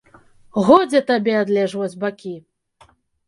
Годзе табе адлежваць бакі!